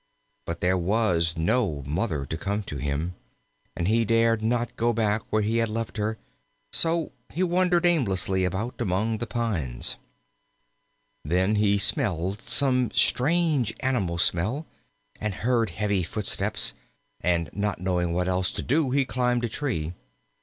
But there was no Mother to come to him, and he dared not go back where he had left her, so he wandered aimlessly about among the pines. Then he smelled some strange animal smell and heard heavy footsteps; and not knowing what else to do, he climbed a tree.